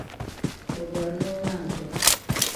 O bɔri noo maa zuɣu.